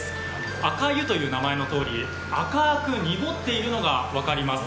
赤湯という名前のとおり赤く濁っているのが分かります。